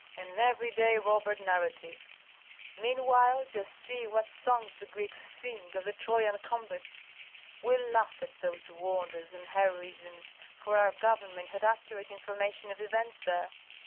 An every day robber narrative! Meanwhile just see what songs the Greeks sing of the Trojan combats. We laugh at those wonders and heroisms, for our government had accurate information of events there.